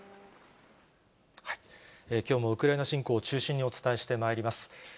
きょうもウクライナ侵攻を中心にお伝えしてまいります。